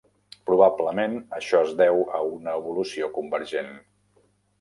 Probablement, això es deu a una evolució convergent.